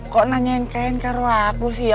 kok nanyain kain karuaku sih